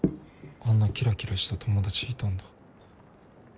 あんなキラキラした友達いたんだ。